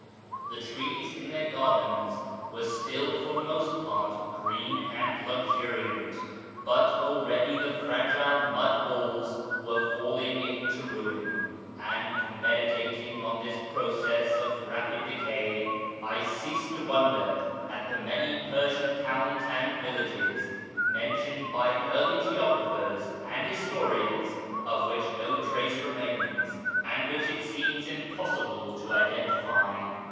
The trees in their gardens were still for the most part green and luxuriant, but already the fragile nnid walls were falling into ruin ; and, meditating on this ])rocess of rapid decay, I ceased to wonder at the many Persian towns and villages mentioned by early geographers and historians of which no trace remains, and which it seems impossible to identify.